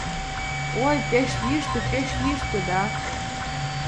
Ой, пеш йӱштӧ, пеш йӱштӧ да